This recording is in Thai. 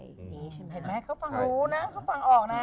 เห็นไหมเขาฟังรู้นะเขาฟังออกนะ